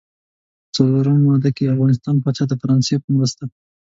څلورمه ماده: که د افغانستان پاچا د فرانسې په مرسته.